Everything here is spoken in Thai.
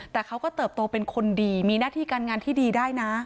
แต่เขาก็เติบโตเป็นคนดีมีหน้าที่การงานที่ดีได้นะ